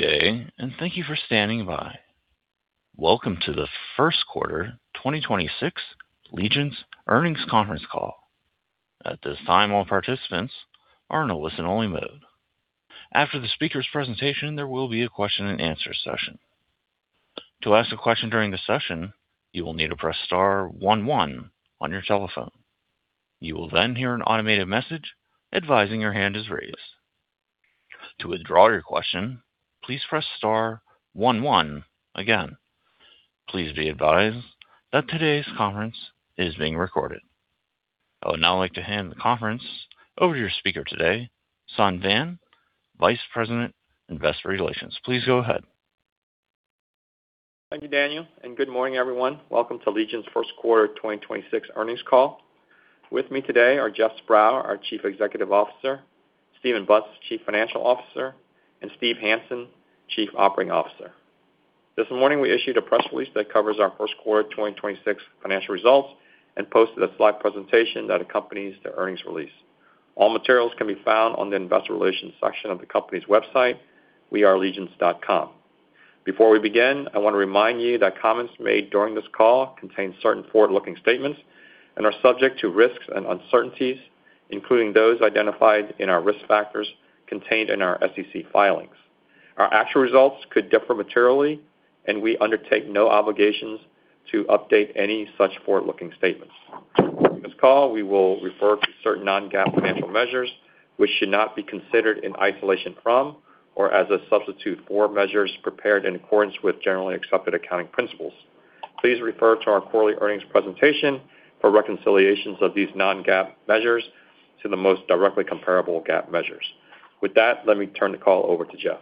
Good day, and thank you for standing by. Welcome to the first quarter 2026 Legence earnings conference call. I would now like to hand the conference over to your speaker today, Son Vann, Vice President, Investor Relations. Please go ahead. Thank you, Daniel, and good morning, everyone. Welcome to Legence first quarter 2026 earnings call. With me today are Jeff Sprau, our Chief Executive Officer, Stephen Butz, Chief Financial Officer, and Steve Hansen, Chief Operating Officer. This morning, we issued a press release that covers our first quarter 2026 financial results and posted a slide presentation that accompanies the earnings release. All materials can be found on the investor relations section of the company's website, wearelegence.com. Before we begin, I wanna remind you that comments made during this call contain certain forward-looking statements and are subject to risks and uncertainties, including those identified in our risk factors contained in our SEC filings. Our actual results could differ materially, and we undertake no obligations to update any such forward-looking statements. During this call, we will refer to certain non-GAAP financial measures, which should not be considered in isolation from or as a substitute for measures prepared in accordance with generally accepted accounting principles. Please refer to our quarterly earnings presentation for reconciliations of these non-GAAP measures to the most directly comparable GAAP measures. With that, let me turn the call over to Jeff.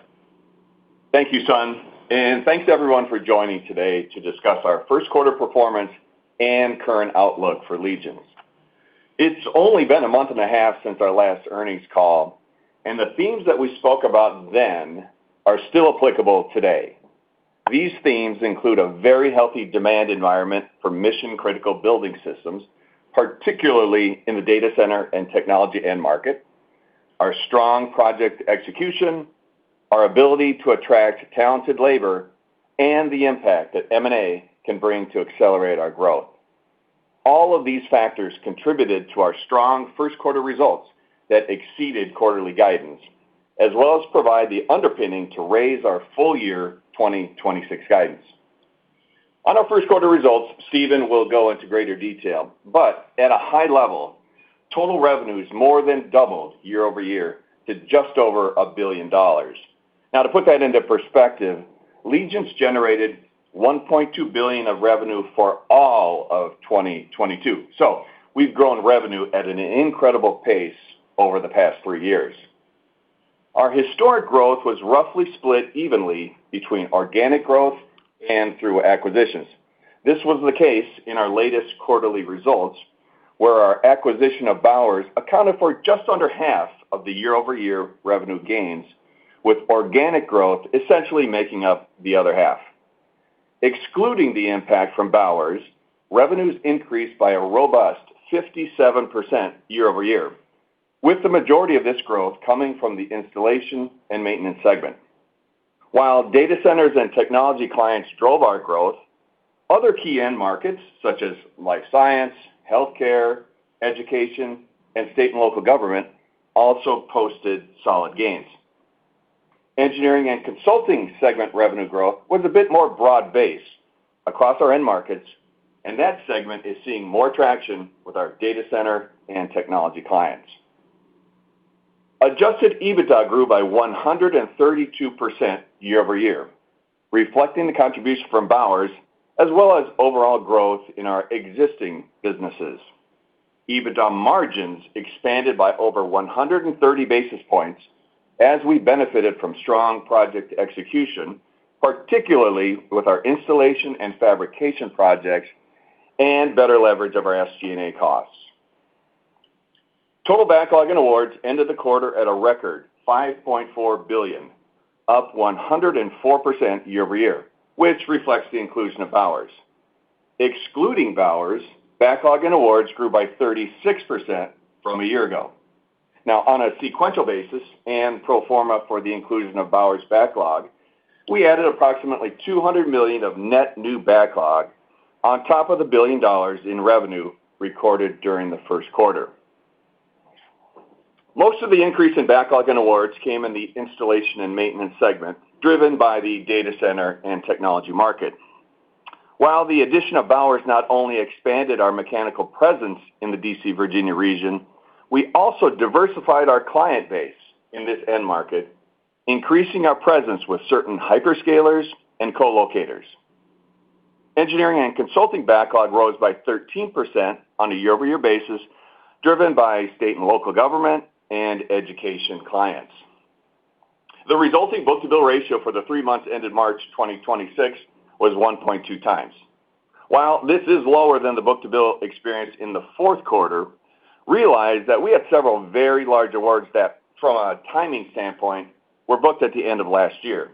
Thank you, Son, and thanks to everyone for joining today to discuss our first quarter performance and current outlook for Legence. It's only been 1.5 months since our last earnings call, and the themes that we spoke about then are still applicable today. These themes include a very healthy demand environment for mission-critical building systems, particularly in the data center and technology end market, our strong project execution, our ability to attract talented labor, and the impact that M&A can bring to accelerate our growth. All of these factors contributed to our strong first quarter results that exceeded quarterly guidance, as well as provide the underpinning to raise our full year 2026 guidance. On our first quarter results, Stephen will go into greater detail, but at a high level, total revenues more than doubled year-over-year to just over $1 billion. To put that into perspective, Legence generated $1.2 billion of revenue for all of 2022. We've grown revenue at an incredible pace over the past three years. Our historic growth was roughly split evenly between organic growth and through acquisitions. This was the case in our latest quarterly results, where our acquisition of Bowers accounted for just under half of the year-over-year revenue gains, with organic growth essentially making up the other half. Excluding the impact from Bowers, revenues increased by a robust 57% year-over-year, with the majority of this growth coming from the installation and maintenance segment. While data centers and technology clients drove our growth, other key end markets such as life science, healthcare, education, and state and local government also posted solid gains. Engineering and consulting segment revenue growth was a bit more broad-based across our end markets, and that segment is seeing more traction with our data center and technology clients. Adjusted EBITDA grew by 132% year-over-year, reflecting the contribution from Bowers as well as overall growth in our existing businesses. EBITDA margins expanded by over 130 basis points as we benefited from strong project execution, particularly with our installation and fabrication projects and better leverage of our SG&A costs. Total backlog and awards ended the quarter at a record $5.4 billion, up 104% year-over-year, which reflects the inclusion of Bowers. Excluding Bowers, backlog and awards grew by 36% from a year ago. On a sequential basis and pro forma for the inclusion of Bowers backlog, we added approximately $200 million of net new backlog on top of the $1 billion in revenue recorded during the first quarter. Most of the increase in backlog and awards came in the installation and maintenance segment, driven by the data center and technology market. The addition of Bowers not only expanded our mechanical presence in the D.C. Virginia region, we also diversified our client base in this end market, increasing our presence with certain hyperscalers and co-locators. Engineering and consulting backlog rose by 13% on a year-over-year basis, driven by state and local government and education clients. The resulting book-to-bill ratio for the three months ended March 2026 was 1.2 times. While this is lower than the book-to-bill experience in the fourth quarter, realize that we had several very large awards that, from a timing standpoint, were booked at the end of last year.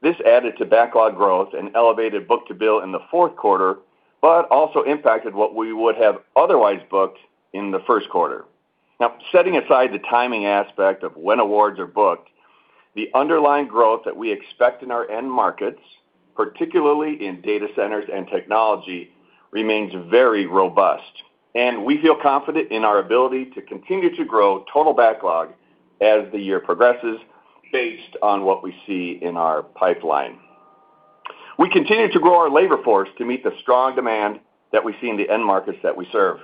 This added to backlog growth and elevated book-to-bill in the fourth quarter, but also impacted what we would have otherwise booked in the first quarter. Now, setting aside the timing aspect of when awards are booked, the underlying growth that we expect in our end markets, particularly in data centers and technology, remains very robust. We feel confident in our ability to continue to grow total backlog as the year progresses based on what we see in our pipeline. We continue to grow our labor force to meet the strong demand that we see in the end markets that we serve.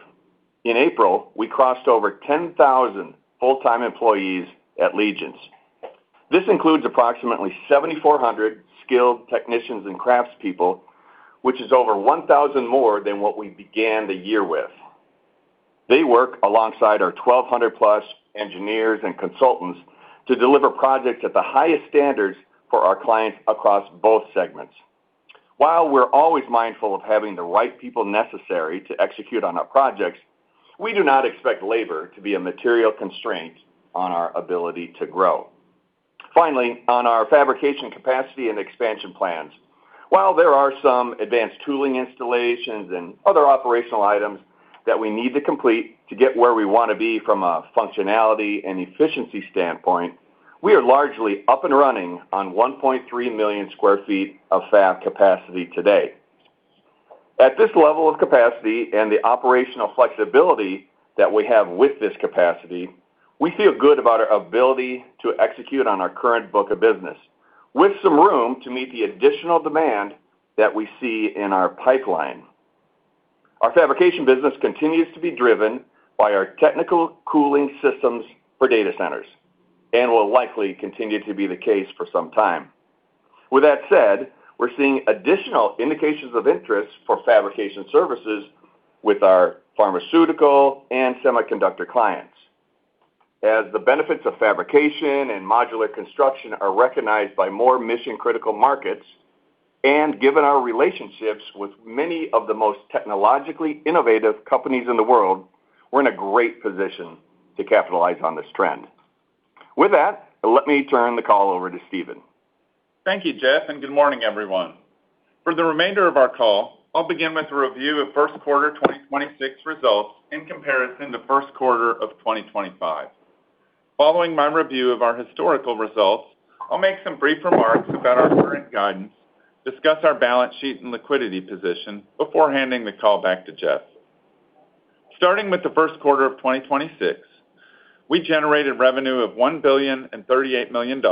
In April, we crossed over 10,000 full-time employees at Legence. This includes approximately 7,400 skilled technicians and craftspeople, which is over 1,000 more than what we began the year with. They work alongside our 1,200+ engineers and consultants to deliver projects at the highest standards for our clients across both segments. While we're always mindful of having the right people necessary to execute on our projects, we do not expect labor to be a material constraint on our ability to grow. Finally, on our fabrication capacity and expansion plans. While there are some advanced tooling installations and other operational items that we need to complete to get where we wanna be from a functionality and efficiency standpoint, we are largely up and running on 1.3 million sq ft of fab capacity today. At this level of capacity and the operational flexibility that we have with this capacity, we feel good about our ability to execute on our current book of business, with some room to meet the additional demand that we see in our pipeline. Our fabrication business continues to be driven by our technical cooling systems for data centers and will likely continue to be the case for some time. With that said, we're seeing additional indications of interest for fabrication services with our pharmaceutical and semiconductor clients. As the benefits of fabrication and modular construction are recognized by more mission-critical markets, and given our relationships with many of the most technologically innovative companies in the world, we're in a great position to capitalize on this trend. With that, let me turn the call over to Stephen. Thank you, Jeff, and good morning, everyone. For the remainder of our call, I'll begin with a review of first quarter 2026 results in comparison to first quarter of 2025. Following my review of our historical results, I'll make some brief remarks about our current guidance, discuss our balance sheet and liquidity position before handing the call back to Jeff. Starting with the first quarter of 2026, we generated revenue of $1.038 billion,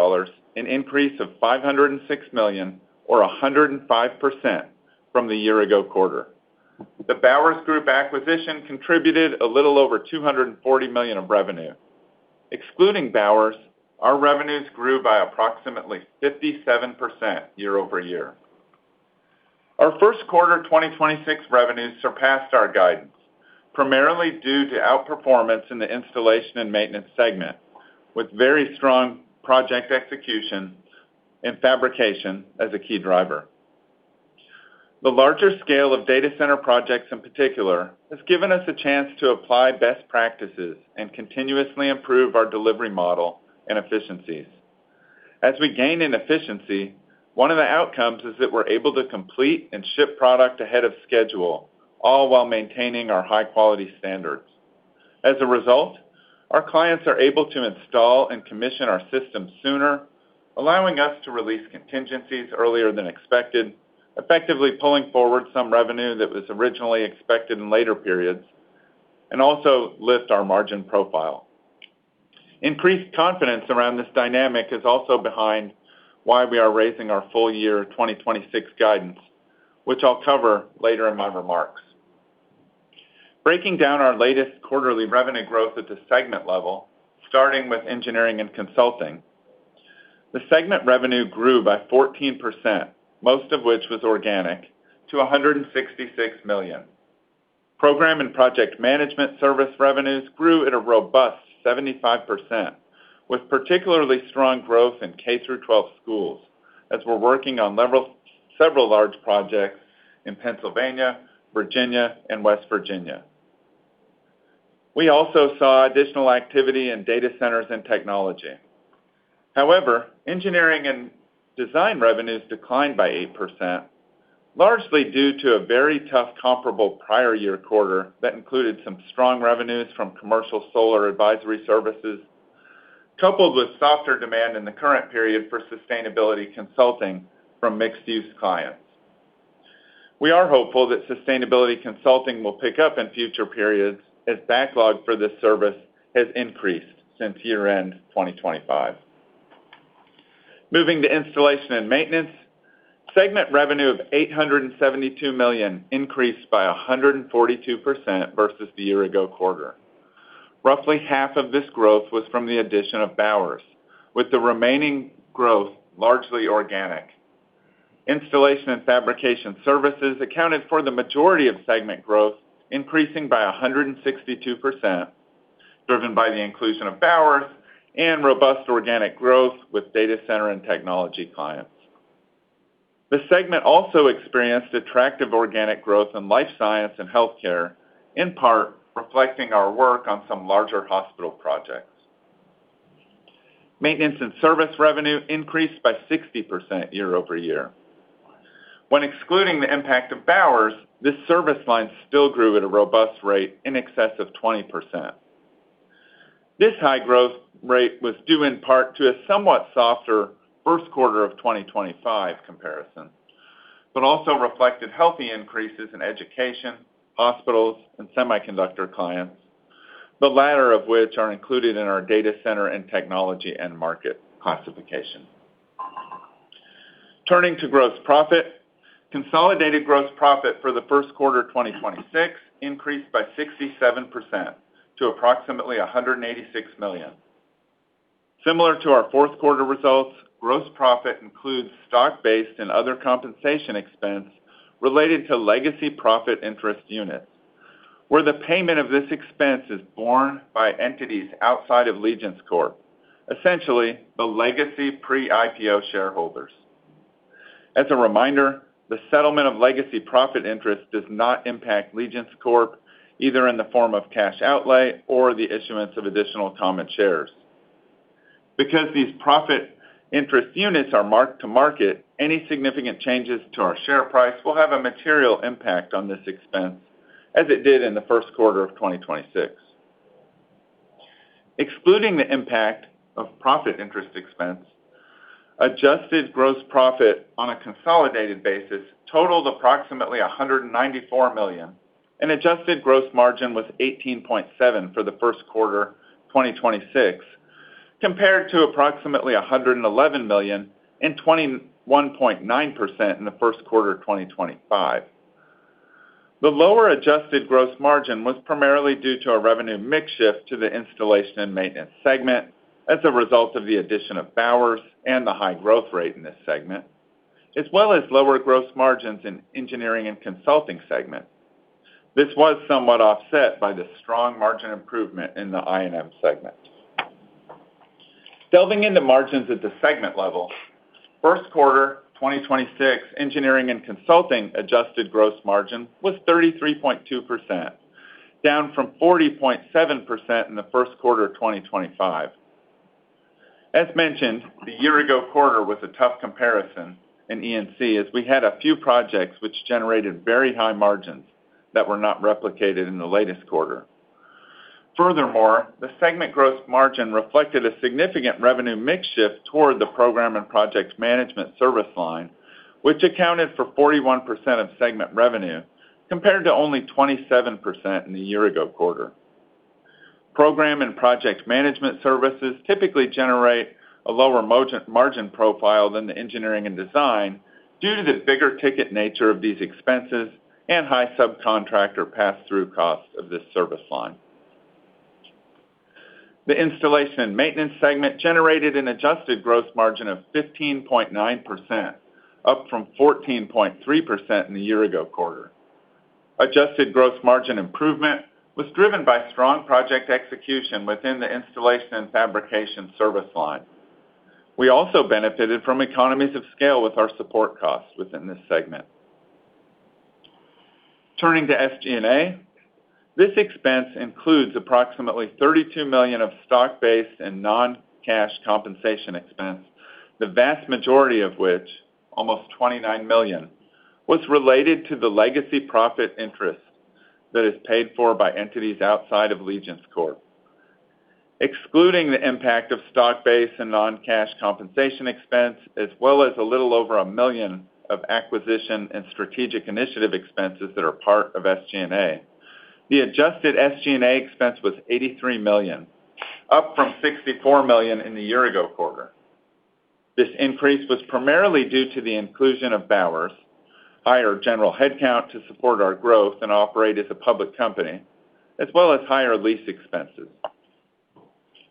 an increase of $506 million or 105% from the year-ago quarter. The Bowers Group acquisition contributed a little over $240 million of revenue. Excluding Bowers, our revenues grew by approximately 57% year-over-year. Our first quarter 2026 revenues surpassed our guidance, primarily due to outperformance in the installation and maintenance segment, with very strong project execution and fabrication as a key driver. The larger scale of data center projects in particular has given us a chance to apply best practices and continuously improve our delivery model and efficiencies. As we gain in efficiency, one of the outcomes is that we're able to complete and ship product ahead of schedule, all while maintaining our high-quality standards. As a result, our clients are able to install and commission our system sooner, allowing us to release contingencies earlier than expected, effectively pulling forward some revenue that was originally expected in later periods, and also lift our margin profile. Increased confidence around this dynamic is also behind why we are raising our full year 2026 guidance, which I'll cover later in my remarks. Breaking down our latest quarterly revenue growth at the segment level, starting with Engineering and Consulting. The segment revenue grew by 14%, most of which was organic, to $166 million. Program and project management service revenues grew at a robust 75%, with particularly strong growth in K–12 schools, as we're working on several large projects in Pennsylvania, Virginia, and West Virginia. We also saw additional activity in data centers and technology. Engineering and design revenues declined by 8%, largely due to a very tough comparable prior year quarter that included some strong revenues from commercial solar advisory services, coupled with softer demand in the current period for sustainability consulting from mixed use clients. We are hopeful that sustainability consulting will pick up in future periods as backlog for this service has increased since year-end 2025. Moving to installation and maintenance, segment revenue of $872 million increased by 142% versus the year-ago quarter. Roughly half of this growth was from the addition of Bowers, with the remaining growth largely organic. Installation and fabrication services accounted for the majority of segment growth, increasing by 162%, driven by the inclusion of Bowers and robust organic growth with data center and technology clients. The segment also experienced attractive organic growth in life science and healthcare, in part reflecting our work on some larger hospital projects. Maintenance and service revenue increased by 60% year-over-year. When excluding the impact of Bowers, this service line still grew at a robust rate in excess of 20%. This high growth rate was due in part to a somewhat softer first quarter of 2025 comparison, but also reflected healthy increases in education, hospitals, and semiconductor clients, the latter of which are included in our data center and technology end market classification. Turning to gross profit, consolidated gross profit for the first quarter of 2026 increased by 67% to approximately $186 million. Similar to our fourth quarter results, gross profit includes stock-based and other compensation expense related to legacy profit interest units, where the payment of this expense is borne by entities outside of Legence Corp, essentially the legacy pre-IPO shareholders. As a reminder, the settlement of legacy profit interest does not impact Legence Corp, either in the form of cash outlay or the issuance of additional common shares. These profit interest units are mark-to-market, any significant changes to our share price will have a material impact on this expense as it did in the first quarter of 2026. Excluding the impact of profit interest expense, adjusted gross profit on a consolidated basis totaled approximately $194 million, and adjusted gross margin was 18.7% for the first quarter of 2026, compared to approximately $111 million and 21.9% in the first quarter of 2025. The lower adjusted gross margin was primarily due to a revenue mix shift to the installation and maintenance segment as a result of the addition of Bowers and the high growth rate in this segment, as well as lower gross margins in engineering and consulting segment. This was somewhat offset by the strong margin improvement in the INM segment. Delving into margins at the segment level, first quarter of 2026 Engineering and Consulting adjusted gross margin was 33.2%, down from 40.7% in the first quarter of 2025. As mentioned, the year ago quarter was a tough comparison in E&C as we had a few projects which generated very high margins that were not replicated in the latest quarter. Furthermore, the segment gross margin reflected a significant revenue mix shift toward the program and project management service line, which accounted for 41% of segment revenue, compared to only 27% in the year ago quarter. Program and project management services typically generate a lower margin profile than the engineering and design due to the bigger ticket nature of these expenses and high subcontractor pass-through costs of this service line. The installation and maintenance segment generated an adjusted gross margin of 15.9%, up from 14.3% in the year-ago quarter. Adjusted gross margin improvement was driven by strong project execution within the installation and fabrication service line. We also benefited from economies of scale with our support costs within this segment. Turning to SG&A, this expense includes approximately $32 million of stock-based and non-cash compensation expense, the vast majority of which, almost $29 million, was related to the legacy profit interest that is paid for by entities outside of Legence Corp. Excluding the impact of stock-based and non-cash compensation expense, as well as a little over $1 million of acquisition and strategic initiative expenses that are part of SG&A, the adjusted SG&A expense was $83 million, up from $64 million in the year-ago quarter. This increase was primarily due to the inclusion of Bowers, higher general headcount to support our growth and operate as a public company, as well as higher lease expenses.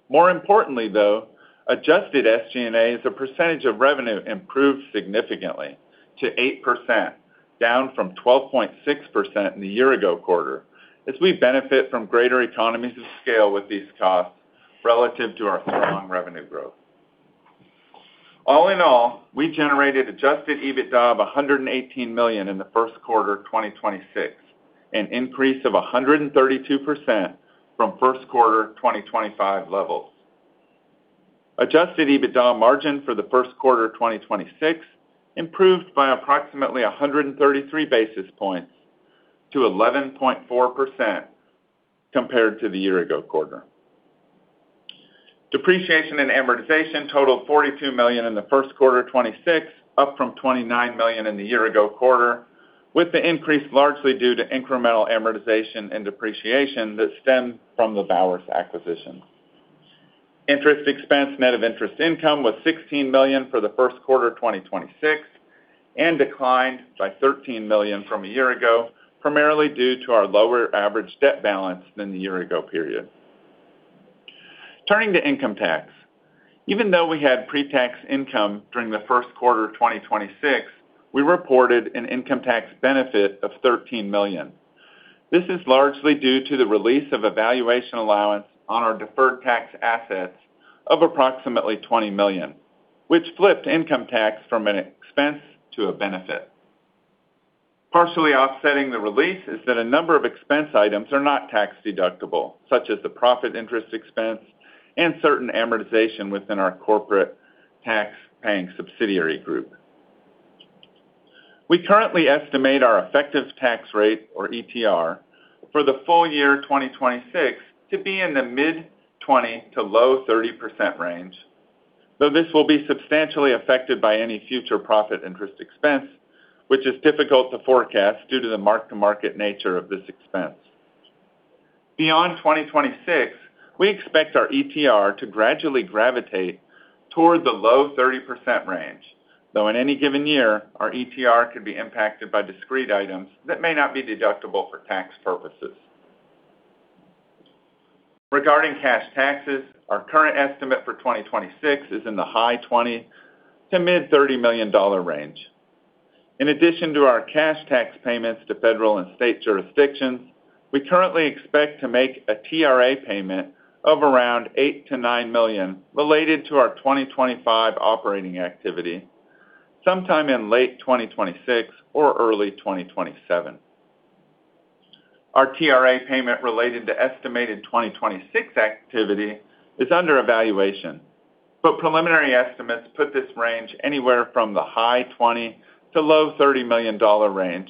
More importantly, though, adjusted SG&A as a percentage of revenue improved significantly to 8%, down from 12.6% in the year ago quarter as we benefit from greater economies of scale with these costs relative to our strong revenue growth. All in all, we generated adjusted EBITDA of $118 million in the first quarter of 2026, an increase of 132% from first quarter of 2025 levels. Adjusted EBITDA margin for the first quarter of 2026 improved by approximately 133 basis points to 11.4% compared to the year ago quarter. Depreciation and Amortization totaled $42 million in the first quarter of 2026, up from $29 million in the year ago quarter, with the increase largely due to incremental amortization and depreciation that stemmed from the Bowers acquisition. Interest expense net of interest income was $16 million for the first quarter of 2026 and declined by $13 million from a year ago, primarily due to our lower average debt balance than the year ago period. Turning to income tax. Even though we had pre-tax income during the first quarter of 2026, we reported an income tax benefit of $13 million. This is largely due to the release of a valuation allowance on our deferred tax assets of approximately $20 million, which flipped income tax from an expense to a benefit. Partially offsetting the release is that a number of expense items are not tax-deductible, such as the profit interest expense and certain amortization within our corporate tax-paying subsidiary group. We currently estimate our effective tax rate, or ETR, for the full year 2026 to be in the mid-20% to low 30% range, though this will be substantially affected by any future profit interest expense, which is difficult to forecast due to the mark-to-market nature of this expense. Beyond 2026, we expect our ETR to gradually gravitate toward the low 30% range, though in any given year, our ETR could be impacted by discrete items that may not be deductible for tax purposes. Regarding cash taxes, our current estimate for 2026 is in the high $20 million to mid $30 million range. In addition to our cash tax payments to federal and state jurisdictions, we currently expect to make a TRA payment of around $8 million-$9 million related to our 2025 operating activity sometime in late 2026 or early 2027. Our TRA payment related to estimated 2026 activity is under evaluation, but preliminary estimates put this range anywhere from the high $20 million to low $30 million range,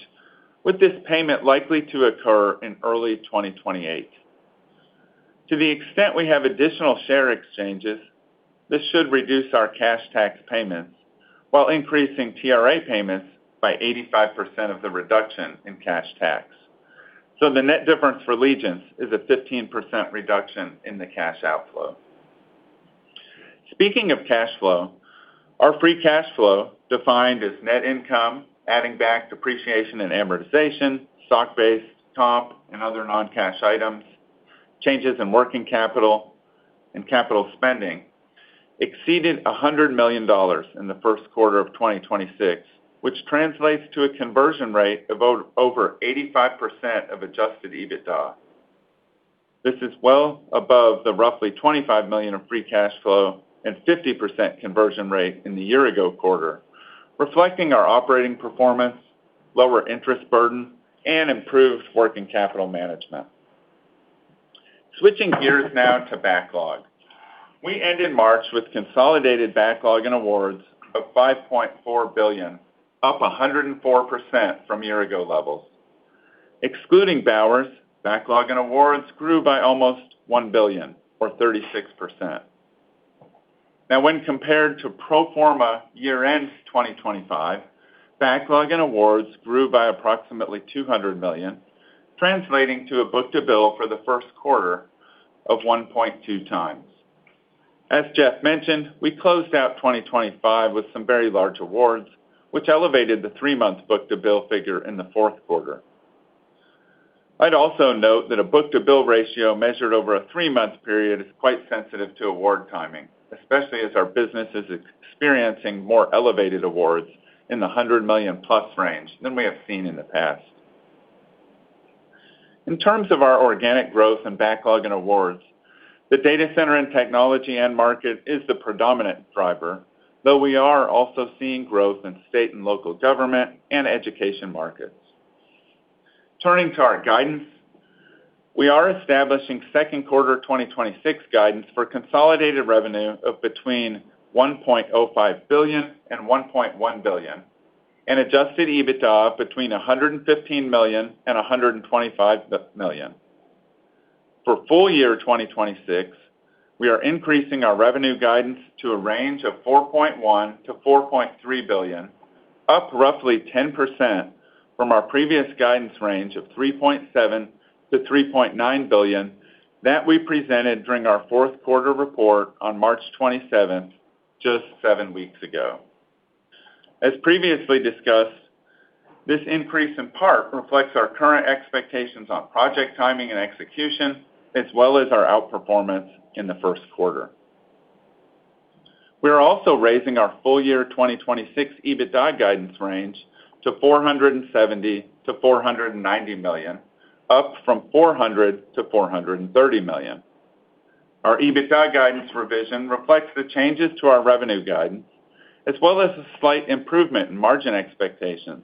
with this payment likely to occur in early 2028. To the extent we have additional share exchanges, this should reduce our cash tax payments while increasing TRA payments by 85% of the reduction in cash tax. The net difference for Legence is a 15% reduction in the cash outflow. Speaking of cash flow, our free cash flow, defined as net income, adding back depreciation and amortization, stock-based comp, and other non-cash items, changes in working capital and capital spending, exceeded $100 million in the first quarter of 2026, which translates to a conversion rate of over 85% of adjusted EBITDA. This is well above the roughly $25 million of free cash flow and 50% conversion rate in the year-ago quarter, reflecting our operating performance, lower interest burden, and improved working capital management. Switching gears now to backlog. We end in March with consolidated backlog and awards of $5.4 billion, up 104% from year-ago levels. Excluding Bowers, backlog and awards grew by almost $1 billion or 36%. When compared to pro forma year-end 2025, backlog and awards grew by approximately $200 million, translating to a book-to-bill for the first quarter of 1.2 times. As Jeff mentioned, we closed out 2025 with some very large awards, which elevated the three-month book-to-bill figure in the fourth quarter. I'd also note that a book-to-bill ratio measured over a three-month period is quite sensitive to award timing, especially as our business is experiencing more elevated awards in the $100 million+ range than we have seen in the past. In terms of our organic growth and backlog and awards, the data center and technology end market is the predominant driver, though we are also seeing growth in state and local government and education markets. Turning to our guidance. We are establishing second quarter 2026 guidance for consolidated revenue of between $1.05 billion and $1.1 billion and Adjusted EBITDA between $115 million and $125 million. For full year 2026, we are increasing our revenue guidance to a range of $4.1 billion-$4.3 billion, up roughly 10% from our previous guidance range of $3.7 billion-$3.9 billion that we presented during our fourth quarter report on March 27th, just seven weeks ago. As previously discussed, this increase in part reflects our current expectations on project timing and execution, as well as our outperformance in the first quarter. We are also raising our full year 2026 EBITDA guidance range to $470 million-$490 million, up from $400 million-$430 million. Our EBITDA guidance revision reflects the changes to our revenue guidance, as well as a slight improvement in margin expectations,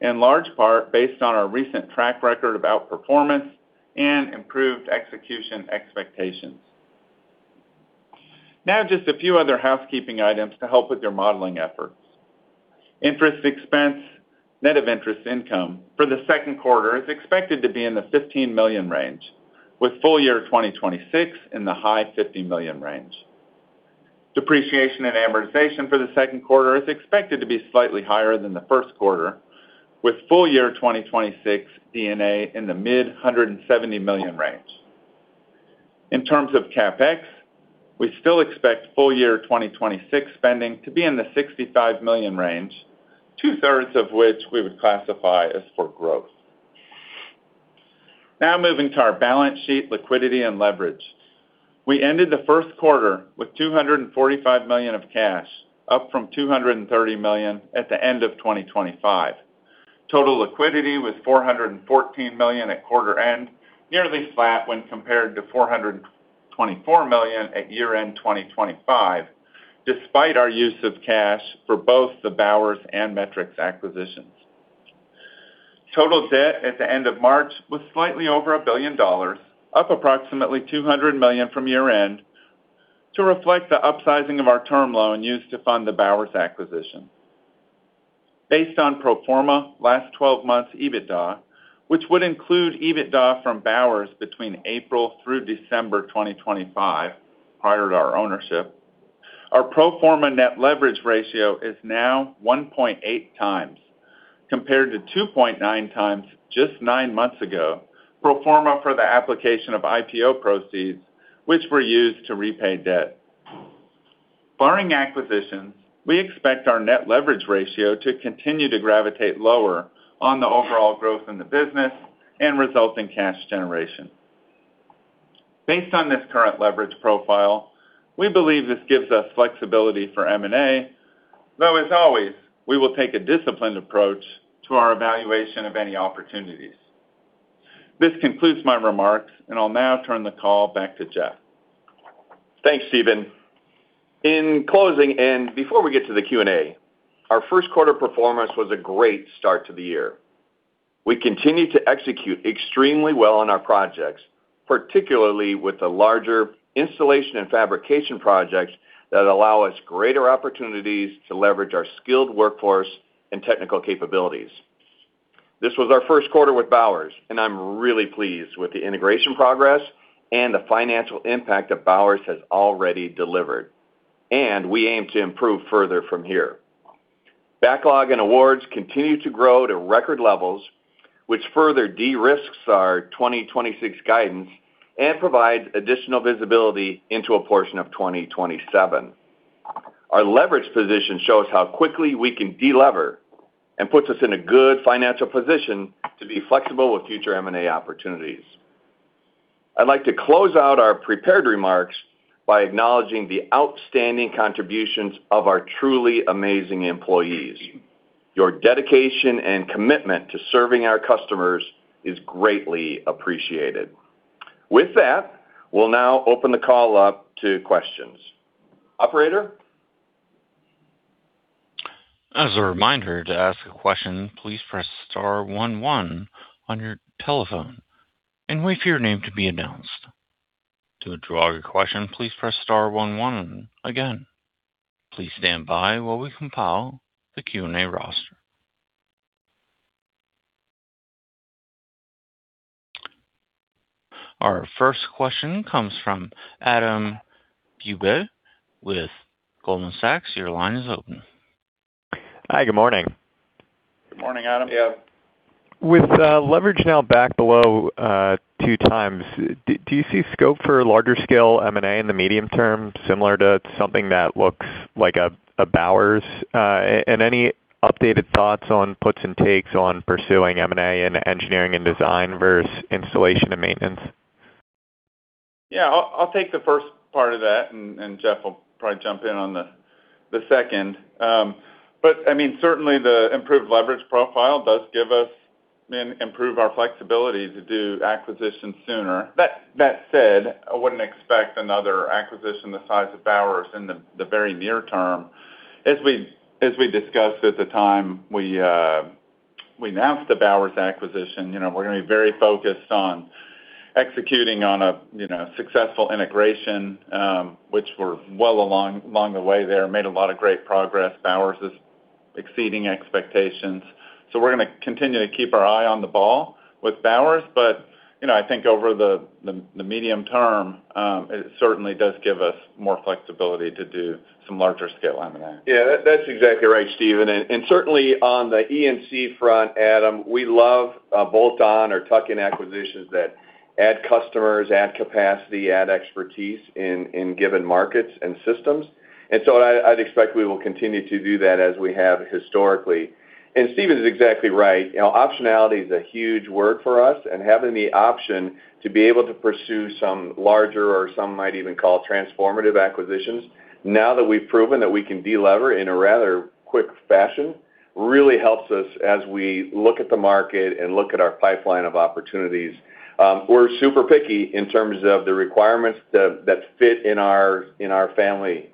in large part based on our recent track record of outperformance and improved execution expectations. Now just a few other housekeeping items to help with your modeling efforts. Interest expense, net of interest income for the second quarter is expected to be in the $15 million range, with full year 2026 in the high $50 million range. Depreciation and amortization for the second quarter is expected to be slightly higher than the first quarter, with full year 2026 D&A in the mid $170 million range. In terms of CapEx, we still expect full year 2026 spending to be in the $65 million range, two-thirds of which we would classify as for growth. Moving to our balance sheet, liquidity, and leverage. We ended the first quarter with $245 million of cash, up from $230 million at the end of 2025. Total liquidity was $414 million at quarter end, nearly flat when compared to $424 million at year-end 2025. Despite our use of cash for both the Bowers and Metrix acquisitions. Total debt at the end of March was slightly over $1 billion, up approximately $200 million from year-end to reflect the upsizing of our term loan used to fund the Bowers acquisition. Based on pro forma last 12 months EBITDA, which would include EBITDA from Bowers between April through December 2025, prior to our ownership, our pro forma net leverage ratio is now 1.8 times, compared to 2.9 times just nine months ago, pro forma for the application of IPO proceeds, which were used to repay debt. Barring acquisitions, we expect our net leverage ratio to continue to gravitate lower on the overall growth in the business and resulting cash generation. Based on this current leverage profile, we believe this gives us flexibility for M&A, though as always, we will take a disciplined approach to our evaluation of any opportunities. This concludes my remarks, and I'll now turn the call back to Jeff. Thanks, Stephen. In closing, and before we get to the Q&A, our first quarter performance was a great start to the year. We continued to execute extremely well on our projects, particularly with the larger installation and fabrication projects that allow us greater opportunities to leverage our skilled workforce and technical capabilities. This was our first quarter with Bowers, and I'm really pleased with the integration progress and the financial impact that Bowers has already delivered, and we aim to improve further from here. Backlog and awards continue to grow to record levels, which further de-risks our 2026 guidance and provides additional visibility into a portion of 2027. Our leverage position shows how quickly we can de-lever and puts us in a good financial position to be flexible with future M&A opportunities. I'd like to close out our prepared remarks by acknowledging the outstanding contributions of our truly amazing employees. Your dedication and commitment to serving our customers is greatly appreciated. With that, we'll now open the call up to questions. Operator? Our first question comes from Adam Bubes with Goldman Sachs. Your line is open. Hi, good morning. Good morning, Adam. Yeah. With leverage now back below 2 times, do you see scope for larger scale M&A in the medium term, similar to something that looks like a Bowers? Any updated thoughts on puts and takes on pursuing M&A in engineering and design versus installation and maintenance? Yeah, I'll take the first part of that, and Jeff will probably jump in on the second. I mean, certainly the improved leverage profile does give us and improve our flexibility to do acquisitions sooner. That said, I wouldn't expect another acquisition the size of Bowers in the very near term. As we discussed at the time we announced the Bowers acquisition, you know, we're gonna be very focused on executing on a, you know, successful integration, which we're well along the way there, made a lot of great progress. Bowers is exceeding expectations. We're gonna continue to keep our eye on the ball with Bowers. You know, I think over the medium term, it certainly does give us more flexibility to do some larger scale M&A. Yeah, that's exactly right, Stephen. Certainly on the E&C front, Adam, we love bolt-on or tuck-in acquisitions that add customers, add capacity, add expertise in given markets and systems. I'd expect we will continue to do that as we have historically. Stephen is exactly right. You know, optionality is a huge word for us, and having the option to be able to pursue some larger or some might even call transformative acquisitions, now that we've proven that we can de-lever in a rather quick fashion, really helps us as we look at the market and look at our pipeline of opportunities. We're super picky in terms of the requirements that fit in our family,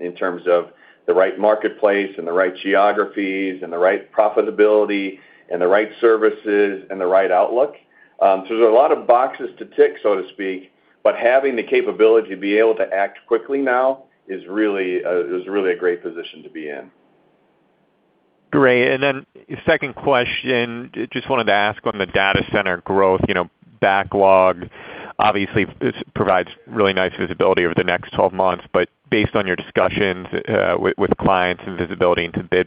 in terms of the right marketplace and the right geographies and the right profitability and the right services and the right outlook. There's a lot of boxes to tick, so to speak, but having the capability to be able to act quickly now is really a great position to be in. Great. Then second question, just wanted to ask on the data center growth, you know, backlog. Obviously, this provides really nice visibility over the next 12 months. Based on your discussions with clients and visibility into bid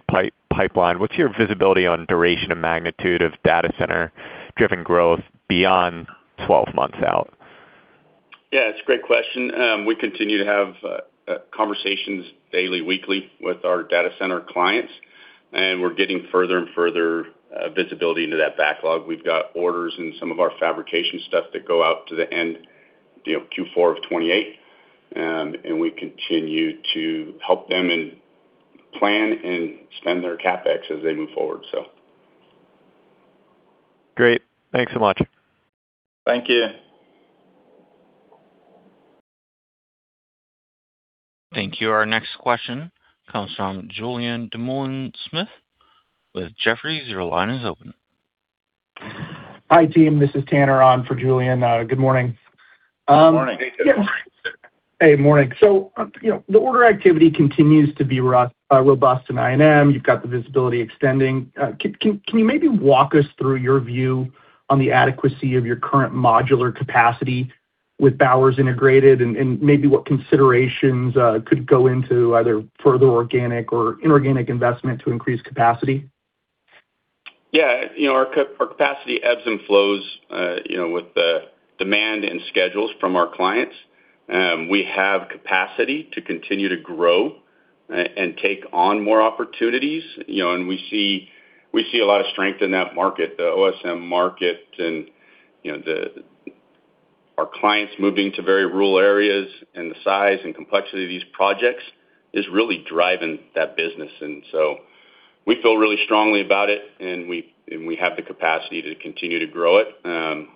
pipeline, what's your visibility on duration and magnitude of data center-driven growth beyond 12 months out? Yeah, it's a great question. We continue to have conversations daily, weekly with our data center clients, and we're getting further and further visibility into that backlog. We've got orders in some of our fabrication stuff that go out to the end, you know, Q4 of 2028. We continue to help them and plan and spend their CapEx as they move forward. Great. Thanks so much. Thank you. Thank you. Our next question comes from Julien Dumoulin-Smith with Jefferies. Your line is open. Hi, team. This is Tanner on for Julien. Good morning. Morning. Hey, morning. You know, the order activity continues to be robust in INM. You've got the visibility extending. Can you maybe walk us through your view on the adequacy of your current modular capacity with Bowers integrated and maybe what considerations could go into either further organic or inorganic investment to increase capacity? Yeah. You know, our capacity ebbs and flows, you know, with the demand and schedules from our clients. We have capacity to continue to grow, and take on more opportunities, you know, we see a lot of strength in that market, the OSM market, you know, our clients moving to very rural areas and the size and complexity of these projects is really driving that business. We feel really strongly about it, and we have the capacity to continue to grow it.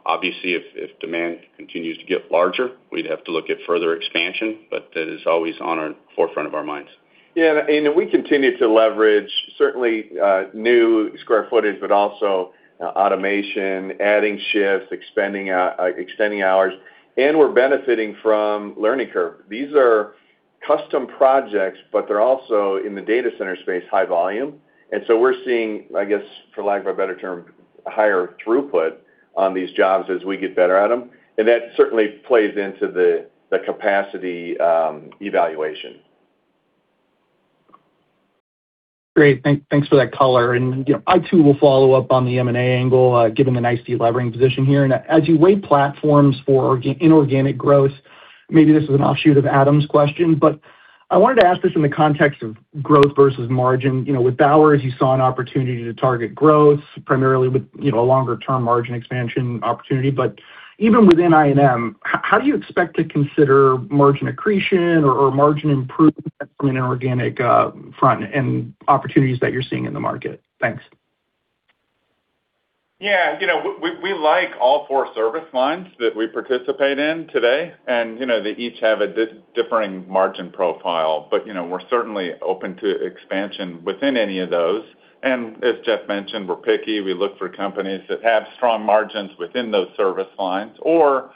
Obviously, if demand continues to get larger, we'd have to look at further expansion, that is always on our forefront of our minds. Yeah. We continue to leverage certainly new square footage, but also automation, adding shifts, extending hours, and we're benefiting from learning curve. These are custom projects, but they're also in the data center space, high volume. We're seeing, I guess, for lack of a better term, higher throughput on these jobs as we get better at them, and that certainly plays into the capacity evaluation. Great. Thanks for that color. You know, I too will follow up on the M&A angle, given the nice delevering position here. As you weigh platforms for inorganic growth, maybe this is an offshoot of Adam's question, but I wanted to ask this in the context of growth versus margin. You know, with Bowers, you saw an opportunity to target growth primarily with, you know, a longer-term margin expansion opportunity. Even within INM, how do you expect to consider margin accretion or margin improvement from an organic front and opportunities that you're seeing in the market? Thanks. Yeah. You know, we like all four service lines that we participate in today. You know, they each have a differing margin profile. You know, we're certainly open to expansion within any of those. As Jeff mentioned, we're picky. We look for companies that have strong margins within those service lines or,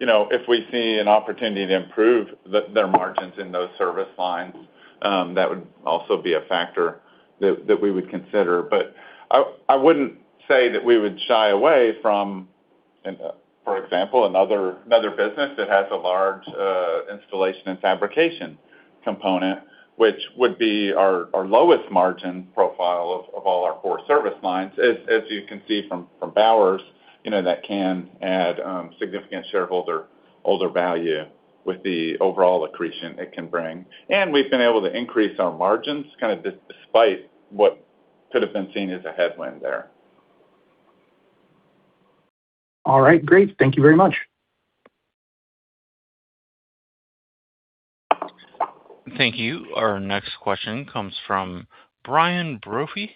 you know, if we see an opportunity to improve their margins in those service lines, that would also be a factor that we would consider. I wouldn't say that we would shy away from, for example, another business that has a large installation and fabrication component, which would be our lowest margin profile of all our core service lines. As you can see from Bowers, you know, that can add significant shareholder value with the overall accretion it can bring. We've been able to increase our margins kind of despite what could have been seen as a headwind there. All right. Great. Thank you very much. Thank you. Our next question comes from Brian Brophy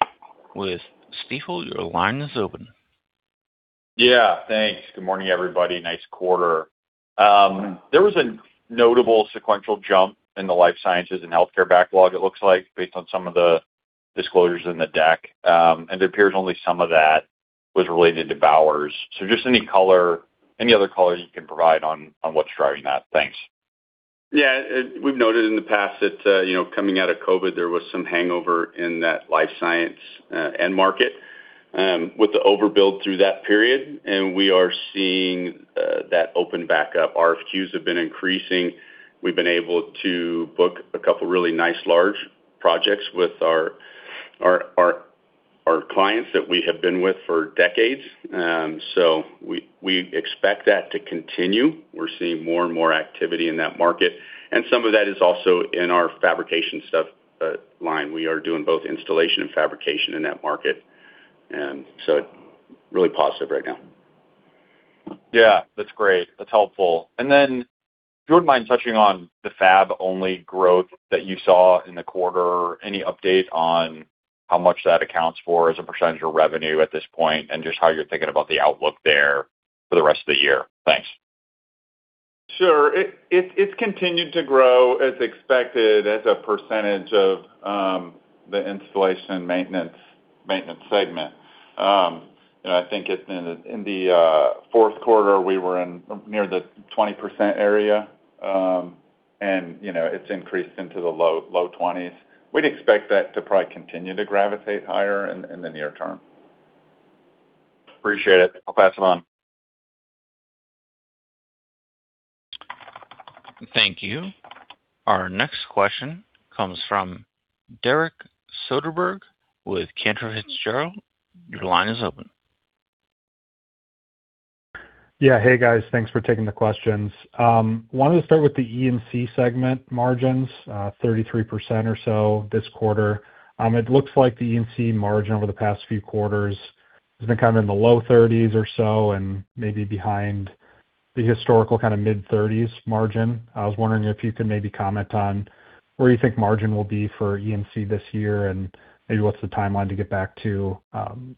with Stifel. Your line is open. Yeah. Thanks. Good morning, everybody. Nice quarter. There was a notable sequential jump in the life sciences and healthcare backlog, it looks like, based on some of the disclosures in the deck. It appears only some of that was related to Bowers. Just any color, any other color you can provide on what's driving that. Thanks. Yeah. We've noted in the past that, you know, coming out of COVID, there was some hangover in that life science end market with the overbuild through that period. We are seeing that open back up. RFQs have been increasing. We've been able to book a couple really nice large projects with our clients that we have been with for decades. We expect that to continue. We're seeing more and more activity in that market. Some of that is also in our fabrication stuff line. We are doing both installation and fabrication in that market. Really positive right now. Yeah. That's great. That's helpful. If you wouldn't mind touching on the fab-only growth that you saw in the quarter. Any update on how much that accounts for as a percentage of revenue at this point, and just how you're thinking about the outlook there for the rest of the year? Thanks. Sure. It's continued to grow as expected as a percentage of the installation maintenance segment. I think it's in the fourth quarter we were in, near the 20% area, and you know, it's increased into the low 20s. We'd expect that to probably continue to gravitate higher in the near term. Appreciate it. I'll pass it on. Thank you. Our next question comes from Derek Soderberg with Cantor Fitzgerald. Your line is open. Yeah. Hey, guys. Thanks for taking the questions. Wanted to start with the E&C segment margins, 33% or so this quarter. It looks like the E&C margin over the past few quarters has been kind of in the low 30s or so and maybe behind the historical kind of mid-30s margin. I was wondering if you could maybe comment on where you think margin will be for E&C this year, and maybe what's the timeline to get back to,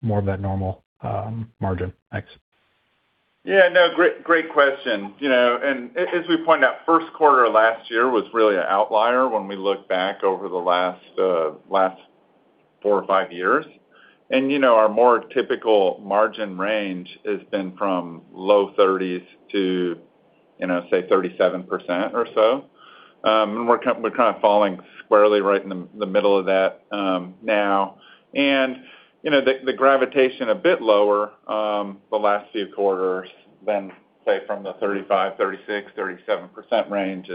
more of that normal, margin. Thanks. Yeah, no. Great, great question. You know, as we pointed out, 1st quarter last year was really an outlier when we look back over the last four or five years. You know, our more typical margin range has been from low 30s to, you know, say 37% or so. We're kind of falling squarely right in the middle of that now. You know, the gravitation a bit lower the last few quarters than, say, from the 35%, 36%, 37% range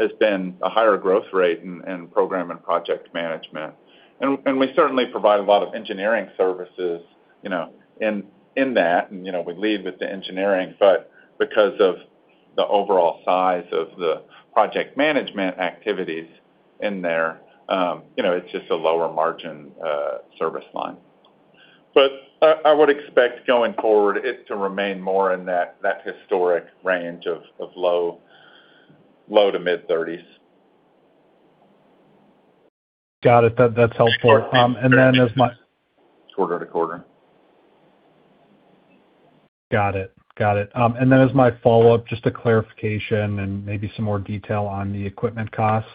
has been a higher growth rate in program and project management. We certainly provide a lot of engineering services, you know, in that. You know, we lead with the engineering, but because of the overall size of the project management activities in there, you know, it's just a lower margin service line. I would expect going forward, it to remain more in that historic range of low to mid-30s%. Got it. That's helpful. Quarter-to-quarter. Got it. Got it. As my follow-up, just a clarification and maybe some more detail on the equipment costs.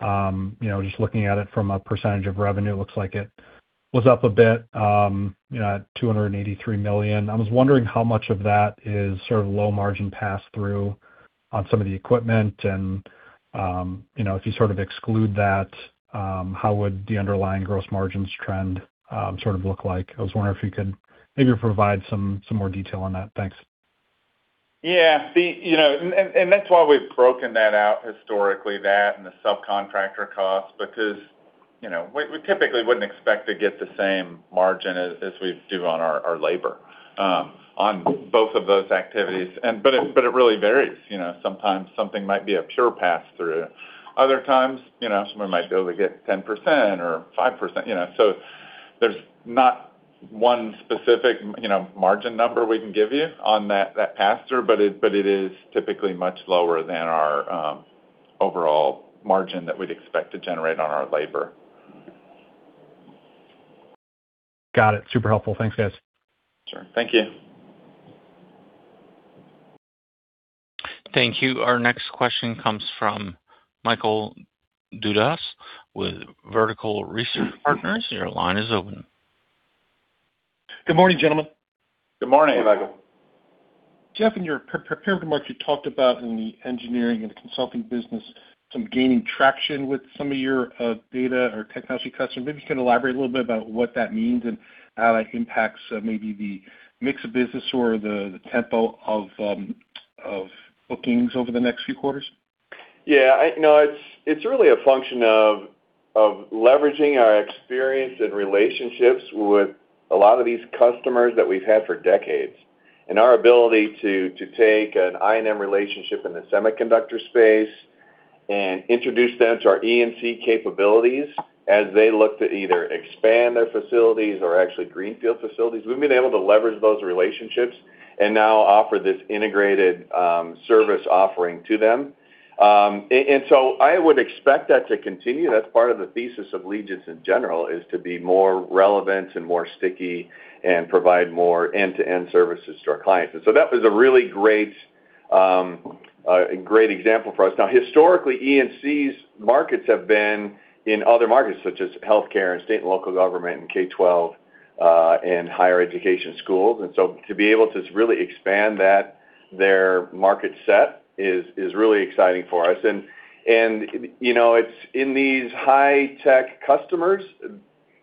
You know, just looking at it from a % of revenue, it looks like it was up a bit, you know, at $283 million. I was wondering how much of that is sort of low margin pass-through on some of the equipment and, you know, if you sort of exclude that, how would the underlying gross margins trend sort of look like? I was wondering if you could maybe provide some more detail on that. Thanks. Yeah. You know, and, and that's why we've broken that out historically, that and the subcontractor costs because, you know, we typically wouldn't expect to get the same margin as we do on our labor on both of those activities. But it really varies. You know, sometimes something might be a pure pass-through. Other times, you know, someone might be able to get 10% or 5%, you know? There's not one specific, you know, margin number we can give you on that pass-through, but it, but it is typically much lower than our overall margin that we'd expect to generate on our labor. Got it. Super helpful. Thanks, guys. Sure. Thank you. Thank you. Our next question comes from Michael Dudas with Vertical Research Partners. Your line is open. Good morning, gentlemen. Good morning. Hey, Michael. Jeff, in your pre-prepared remarks, you talked about in the engineering and the consulting business, some gaining traction with some of your data or technology customers. Maybe you can elaborate a little bit about what that means and how that impacts maybe the mix of business or the tempo of bookings over the next few quarters. No, it's really a function of leveraging our experience and relationships with a lot of these customers that we've had for decades, and our ability to take an INM relationship in the semiconductor space and introduce them to our E&C capabilities as they look to either expand their facilities or actually greenfield facilities. We've been able to leverage those relationships and now offer this integrated service offering to them. I would expect that to continue. That's part of the thesis of Legence in general, is to be more relevant and more sticky and provide more end-to-end services to our clients. That was a really great example for us. Now, historically, E&C's markets have been in other markets, such as healthcare and state and local government and K–12 and higher education schools. To be able to really expand that, their market set is really exciting for us. You know, it's in these high tech customers,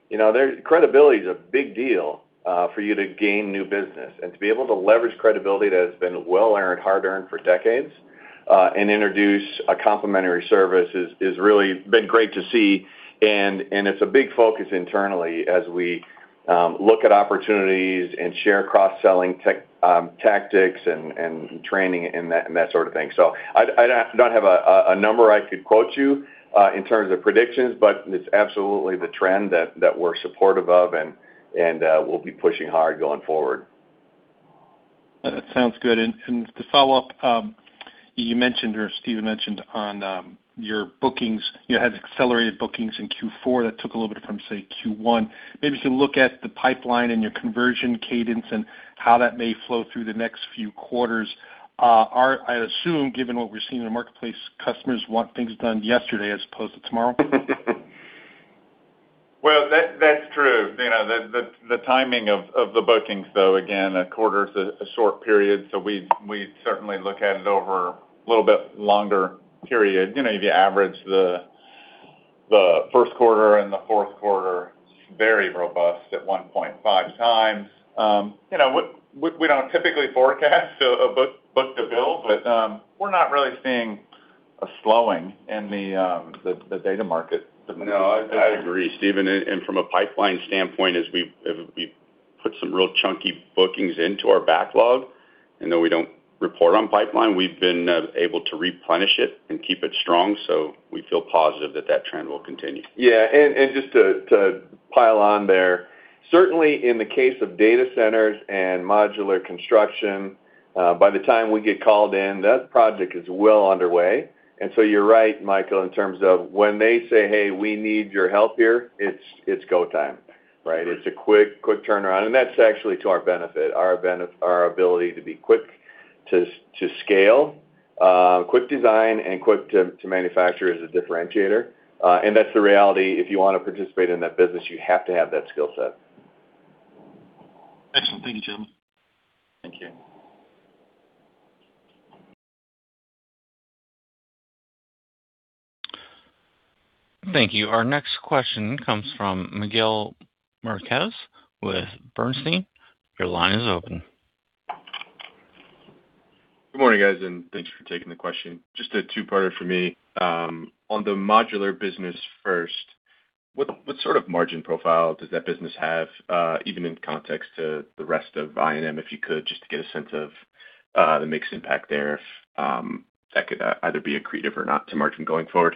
you know, their credibility is a big deal for you to gain new business. To be able to leverage credibility that has been well-earned, hard-earned for decades, and introduce a complimentary service is really been great to see. It's a big focus internally as we look at opportunities and share cross-selling tactics and training and that, and that sort of thing. I don't have a number I could quote you in terms of predictions, but it's absolutely the trend that we're supportive of and we'll be pushing hard going forward. That sounds good. To follow up, you mentioned or Stephen mentioned your bookings, you had accelerated bookings in Q4 that took a little bit from, say, Q1. Maybe you can look at the pipeline and your conversion cadence and how that may flow through the next few quarters. I'd assume, given what we're seeing in the marketplace, customers want things done yesterday as opposed to tomorrow. Well, that's true. You know, the timing of the bookings, though, again, a quarter is a short period, so we certainly look at it over a little bit longer period. You know, if you average the first quarter and the fourth quarter, very robust at 1.5 times. You know, we don't typically forecast a book-to-bill, but we're not really seeing a slowing in the data market. No, I agree, Stephen. From a pipeline standpoint, as we've put some real chunky bookings into our backlog. Even though we don't report on pipeline, we've been able to replenish it and keep it strong. We feel positive that that trend will continue. Just to pile on there. Certainly in the case of data centers and modular construction, by the time we get called in, that project is well underway. So you're right, Michael, in terms of when they say, "Hey, we need your help here," it's go time, right? It's a quick turnaround, and that's actually to our benefit. Our ability to be quick to scale, quick design, and quick to manufacture is a differentiator. That's the reality. If you wanna participate in that business, you have to have that skill set. Excellent. Thank you, gentlemen. Thank you. Thank you. Our next question comes from Miguel Marquez with Bernstein. Your line is open. Good morning, guys, and thank you for taking the question. Just a two-parter for me. On the modular business first, what sort of margin profile does that business have, even in context to the rest of I&M, if you could, just to get a sense of the mix impact there, if that could either be accretive or not to margin going forward?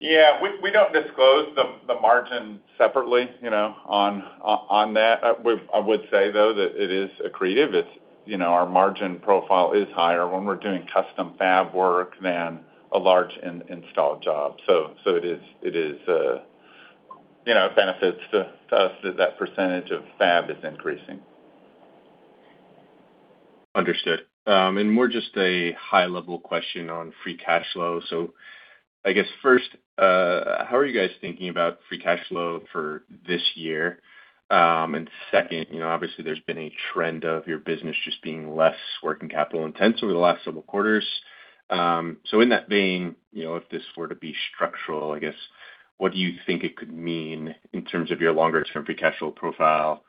Yeah. We don't disclose the margin separately, you know, on that. I would say though that it is accretive. It's, you know, our margin profile is higher when we're doing custom fab work than a large in-install job. It is, you know, it benefits to us that percentage of fab is increasing. Understood. More just a high level question on free cash flow. I guess first, how are you guys thinking about free cash flow for this year? Second, you know, obviously there's been a trend of your business just being less working capital intense over the last several quarters. In that vein, you know, if this were to be structural, I guess, what do you think it could mean in terms of your longer term free cash flow profile?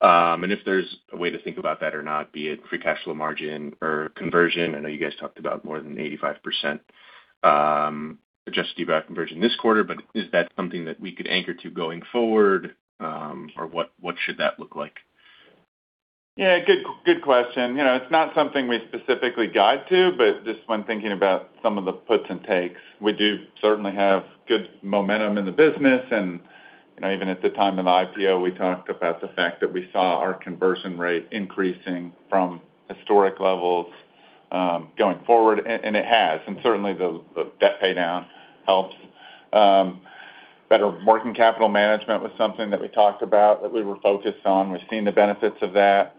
If there's a way to think about that or not, be it free cash flow margin or conversion. I know you guys talked about more than 85% Adjusted EBITDA conversion this quarter, but is that something that we could anchor to going forward? What should that look like? Yeah. Good, good question. You know, it's not something we specifically guide to, but just when thinking about some of the puts and takes, we do certainly have good momentum in the business and, you know, even at the time of the IPO, we talked about the fact that we saw our conversion rate increasing from historic levels going forward. And it has, and certainly the debt pay down helps. Better working capital management was something that we talked about that we were focused on. We've seen the benefits of that.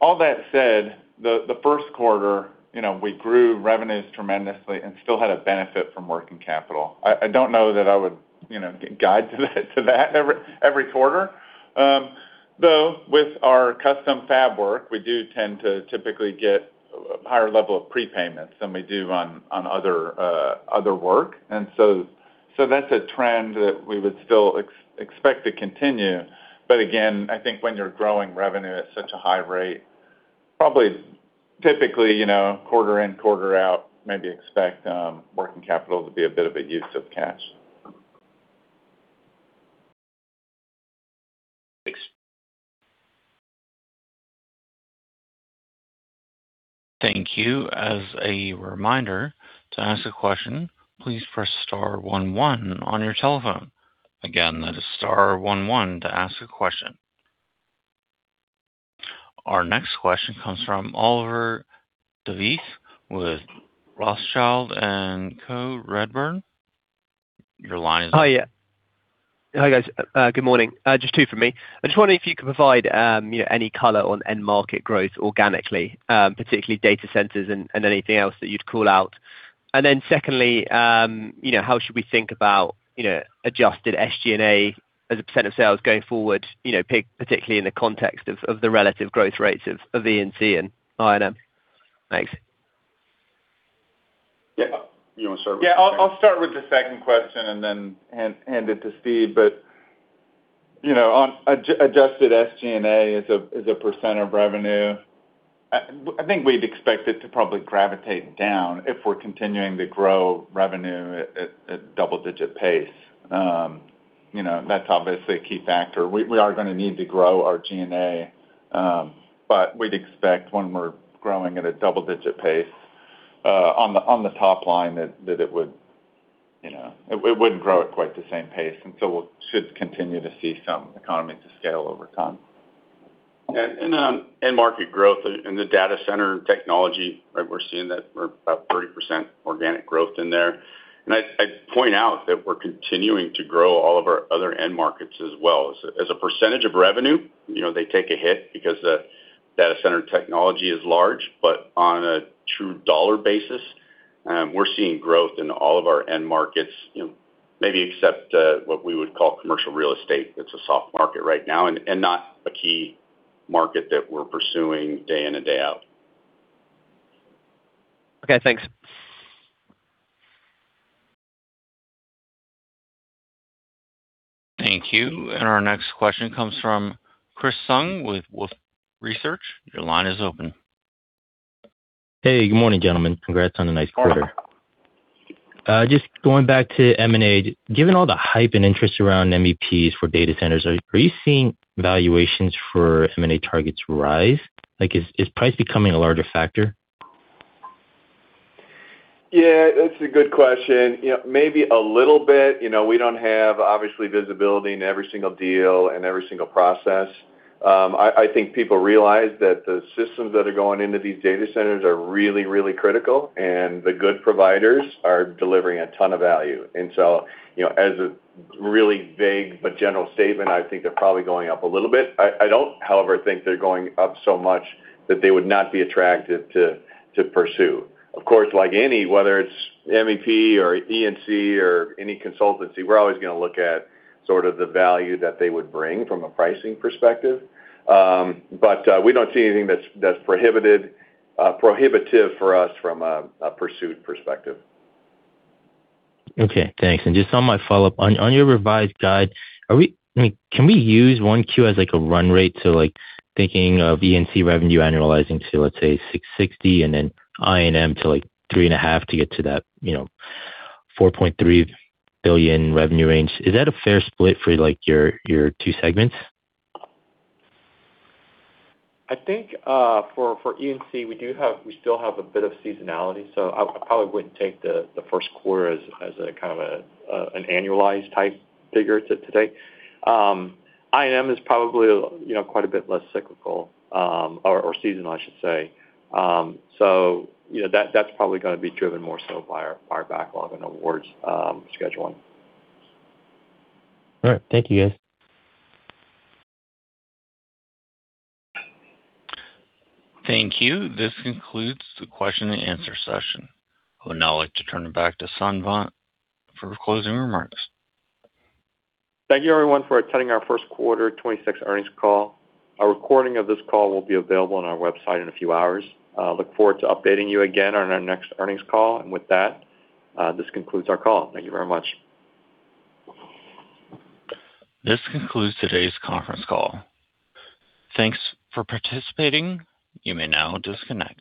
All that said, the first quarter, you know, we grew revenues tremendously and still had a benefit from working capital. I don't know that I would, you know, guide to that every quarter. Though with our custom fab work, we do tend to typically get a higher level of prepayments than we do on other work. That's a trend that we would still expect to continue. I think when you're growing revenue at such a high rate, probably typically, quarter in, quarter out, maybe expect working capital to be a bit of a use of cash. Thanks. Thank you. As a reminder, to ask a question, please press star one one on your telephone. Again, that is star 11 to ask a question. Our next question comes from Oliver Davis with Rothschild & Co Redburn. Your line is open. Hiya. Hi, guys. Good morning. Just two from me. I just wonder if you could provide, you know, any color on end market growth organically, particularly data centers and anything else that you'd call out? Secondly, you know, how should we think about, you know, adjusted SG&A as a percent of sales going forward, you know, particularly in the context of the relative growth rates of E&C and I&M? Thanks. You wanna start with this one? I'll start with the second question and then hand it to Steve. You know, on adjusted SG&A as a % of revenue, I think we'd expect it to probably gravitate down if we're continuing to grow revenue at double-digit pace. You know, that's obviously a key factor. We are gonna need to grow our G&A, but we'd expect when we're growing at a double-digit pace on the top line that it wouldn't grow at quite the same pace, and so should continue to see some economy to scale over time. On end market growth in the data center and technology, right? We're seeing that we're about 30% organic growth in there. I'd point out that we're continuing to grow all of our other end markets as well. As a percentage of revenue, you know, they take a hit because the data center technology is large. On a true dollar basis, we're seeing growth in all of our end markets, you know, maybe except what we would call commercial real estate. It's a soft market right now and not a key market that we're pursuing day in and day out. Okay. Thanks. Thank you. Our next question comes from Chris Song with Wolfe Research. Your line is open. Hey. Good morning, gentlemen. Congrats on a nice quarter. Just going back to M&A. Given all the hype and interest around MEPs for data centers, are you seeing valuations for M&A targets rise? Like, is price becoming a larger factor? Yeah, it's a good question. You know, maybe a little bit. You know, we don't have, obviously, visibility into every single deal and every single process. I think people realize that the systems that are going into these data centers are really, really critical, and the good providers are delivering a ton of value. You know, as a really vague but general statement, I think they're probably going up a little bit. I don't, however, think they're going up so much that they would not be attractive to pursue. Of course, like any, whether it's MEP or E&C or any consultancy, we're always gonna look at sort of the value that they would bring from a pricing perspective. We don't see anything that's prohibitive for us from a pursuit perspective. Okay. Thanks. Just on my follow-up. On your revised guide, I mean, can we use 1Q as, like, a run rate to, like, thinking of E&C revenue annualizing to, let's say, $660 million, and then I&M to, like, $3.5 billion to get to that, you know, $4.3 billion revenue range? Is that a fair split for, like, your two segments? I think, for E&C, we still have a bit of seasonality, so I probably wouldn't take the first quarter as a kind of an annualized type figure to take. I&M is probably, you know, quite a bit less cyclical, or seasonal, I should say. You know, that's probably gonna be driven more so by our backlog and awards, scheduling. All right. Thank you, guys. Thank you. This concludes the question and answer session. I would now like to turn it back to Son Vann for closing remarks. Thank you everyone for attending our first quarter 2026 earnings call. A recording of this call will be available on our website in a few hours. Look forward to updating you again on our next earnings call. With that, this concludes our call. Thank you very much. This concludes today's conference call. Thanks for participating. You may now disconnect.